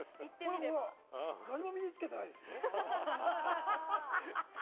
これ見て、何も身につけてないですよ。